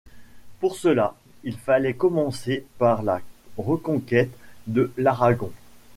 Pour cela, il fallait commencer par la reconquête de l'Aragon.